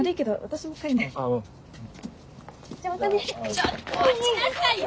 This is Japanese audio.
ちょっと待ちなさいよ